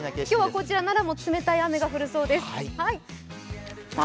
今日はこちら奈良も冷たい雨が降るそうです。